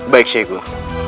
baik syekh gua